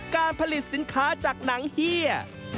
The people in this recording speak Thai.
การผลิตสินค้าจากหนังเฮีย